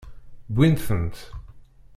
Wwint-tent.